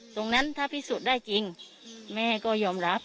ตรงนั้นถ้าพิสูจน์ได้จริงแม่ก็ยอมรับ